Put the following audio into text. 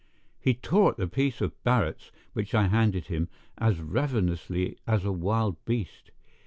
He tore at the piece of "Barrett's" which I handed him, as ravenously as a wild beast.